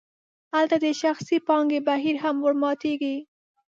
هلته د شخصي پانګې بهیر هم ورماتیږي.